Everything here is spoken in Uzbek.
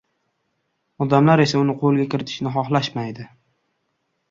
Odamlar esa uni qo‘lga kiritishni xohlashmaydi.